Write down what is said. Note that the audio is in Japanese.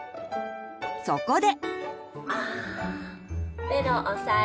そこで。